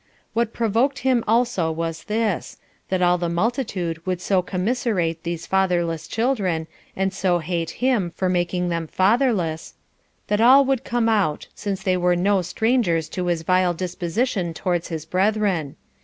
What provoked him also was this, that all the multitude would so commiserate these fatherless children, and so hate him [for making them fatherless], that all would come out, since they were no strangers to his vile disposition towards his brethren.